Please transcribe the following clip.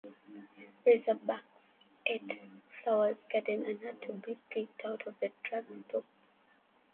Razorbacks ate flower gardens and had to be kicked out of the drugstore.